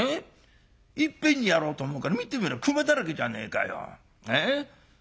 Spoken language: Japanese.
いっぺんにやろうと思うから見てみろくまだらけじゃねえかよ。